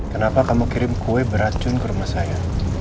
kenapa kamu kirim kue beracun ke rumah saya